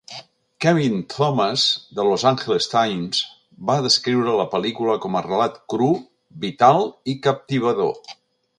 Kevin Thomas de "Los Angeles Times" va descriure la pel·lícula com a relat "cru, vital i captivador".